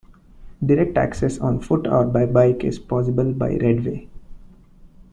Direct access on foot or by bike is possible by redway.